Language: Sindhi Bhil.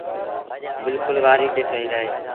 بلڪُل وآريٚ تي ٺهيٚل اهي۔